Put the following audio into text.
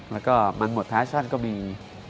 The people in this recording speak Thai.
แล้วก็มันหมดแฟชั่นก็มี